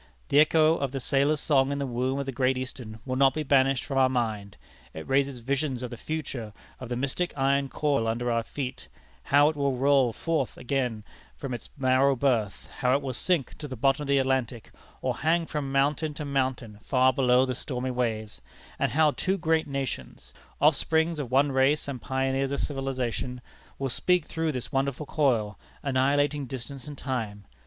The echo of the sailors' song in the womb of the Great Eastern will not be banished from our mind. It raises visions of the future of the mystic iron coil under our feet how it will roll forth again from its narrow berth; how it will sink to the bottom of the Atlantic, or hang from mountain to mountain far below the stormy waves; and how two great nations, offsprings of one race and pioneers of civilization, will speak through this wonderful coil, annihilating distance and time.